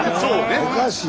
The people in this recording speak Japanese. おかしい。